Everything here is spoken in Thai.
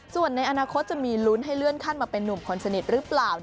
ส่วนในอนาคตจะมีลุ้นให้เลื่อนขั้นมาเป็นนุ่มคนสนิทหรือเปล่า